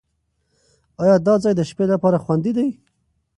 ایا دا ځای د شپې لپاره خوندي دی؟